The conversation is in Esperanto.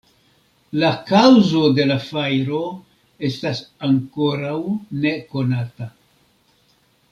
La kaŭzo de la fajro estas ankoraŭ nekonata.